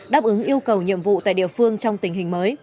đáp ứng yêu cầu nhiệm vụ tại địa phương trong tình hình mới